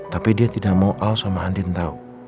tapi dia tidak mau al sama andin tahu